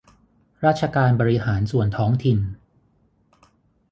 ราชการบริหารส่วนท้องถิ่น